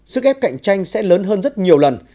sức ép cạnh tranh sẽ lớn hơn rất nhiều lần